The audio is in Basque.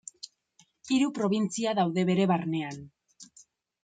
Hiru probintzia daude bere barnean.